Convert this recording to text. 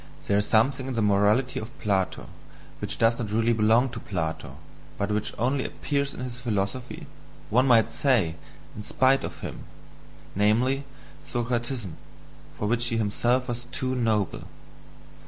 There is something in the morality of Plato which does not really belong to Plato, but which only appears in his philosophy, one might say, in spite of him: namely, Socratism, for which he himself was too noble.